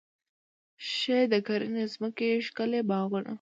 ښې د کرنې ځمکې، ښکلي باغونه